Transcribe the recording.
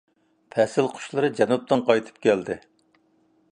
پەسىل قۇشلىرى جەنۇبتىن قايتىپ كەلدى.